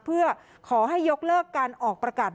เพื่อขอให้ยกเลิกการออกประกาศ